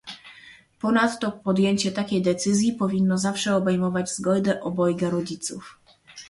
Ponadto podjęcie takiej decyzji powinno zawsze obejmować zgodę obojga rodziców